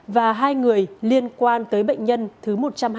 và hai người liên quan tới bệnh nhân thứ một trăm hai mươi